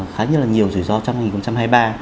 khá nhiều rủi ro trong năm hai nghìn hai mươi ba